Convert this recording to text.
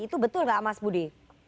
itu betul nggak mas budi